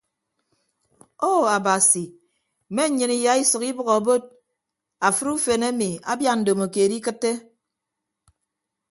Ou abasi mme nnyịn iyaisʌk ibʌk abod afịd ufen emi abia ndomokeed ikịtte.